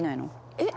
えっ！